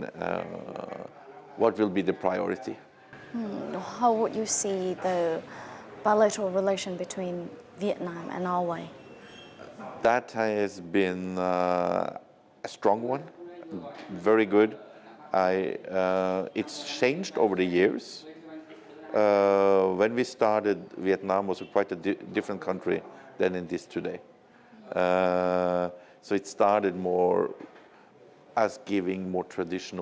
đây là một điều chúng tôi làm cho chúng tôi vì chúng tôi thấy việt nam và asean là một trong những khu vực thú vị nhất trong thế giới